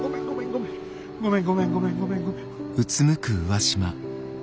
ごめんごめんごめんごめんごめん。